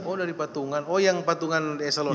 oh dari patungan oh yang patungan di esalon itu